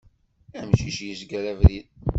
Amcic yezger abrid.